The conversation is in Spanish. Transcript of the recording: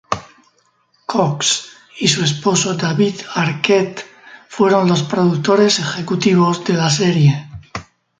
Cox y su esposo David Arquette fueron los productores ejecutivos de la serie.